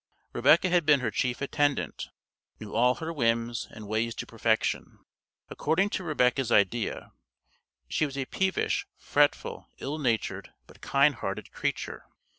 Rebecca had been her chief attendant, knew all her whims and ways to perfection. According to Rebecca's idea, "she was a peevish, fretful, ill natured, but kind hearted creature."